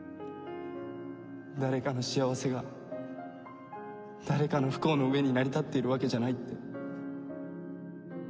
誰かの幸せが誰かの不幸の上に成り立っているわけじゃないって。